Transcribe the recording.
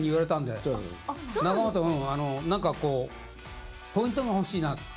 仲本何かこうポイントが欲しいなって。